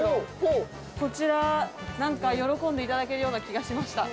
こちらなんか喜んで頂けるような気がしました。